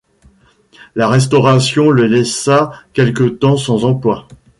La Restauration le laissa quelque temps sans emploi.